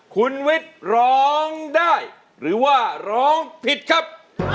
คุณวิทย์ร้องได้หรือว่าร้องผิดครับ